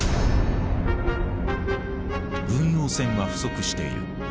軍用船は不足している。